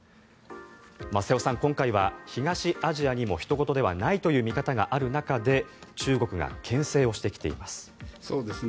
瀬尾さん、今回は東アジアにもひと事ではないという見方もある中で中国がけん制をしてきています。